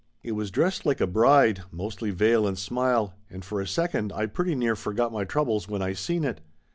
It was dressed like a bride, mostly veil and smile, and for a second I pretty near forgot my troubles when I seen it.